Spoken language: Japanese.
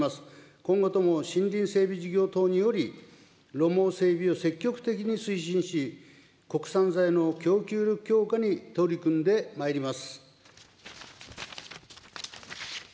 今後とも森林整備事業等により、路網整備を積極的に推進し、国産材の供給力強化に取り組んでまいります。